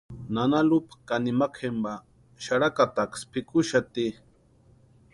Nana Lupa ka nimawka jempa xarakataksï pʼikuxati.